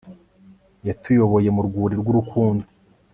yatuyoboye mu rwuri rw'urukundo